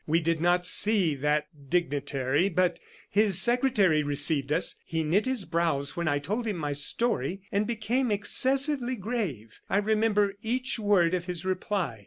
We did not see that dignitary, but his secretary received us. He knit his brows when I told my story, and became excessively grave. I remember each word of his reply.